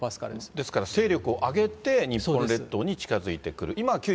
ですから、勢力を上げて、日本列島に近づいてくる。